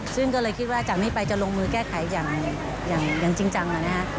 ซึ่งก็เลยคิดว่าจากนี้ไปจะลงมือแก้ไขอย่างจริงจังนะฮะ